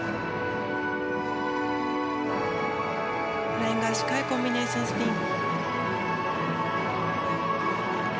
フライング足換えコンビネーションスピン。